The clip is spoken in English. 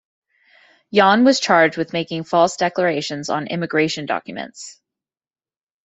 Yan was charged with making false declarations on immigration documents.